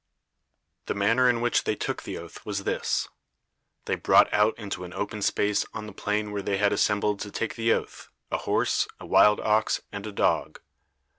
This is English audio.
The manner in which they took the oath was this: They brought out into an open space on the plain where they had assembled to take the oath, a horse, a wild ox, and a dog.